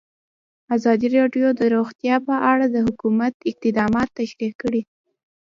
ازادي راډیو د روغتیا په اړه د حکومت اقدامات تشریح کړي.